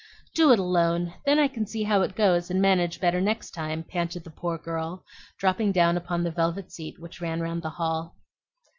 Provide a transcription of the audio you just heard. "Do it alone; then I can see how it goes, and manage better next time," panted the poor girl, dropping down upon the velvet seat which ran round the hall.